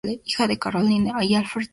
Hija de Caroline y Alfred Seeley.